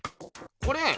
これ？